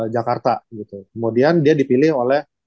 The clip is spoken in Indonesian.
jakarta gitu kemudian dia dipilih oleh